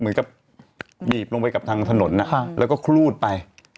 นิบลงไปกับทางถนนแล้วก็ครูดไป